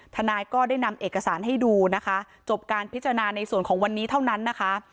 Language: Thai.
ทนายก็ได้นำเอกสารให้ดูนะคะจบการพิจารณาในส่วนของวันนี้เท่านั้นนะคะ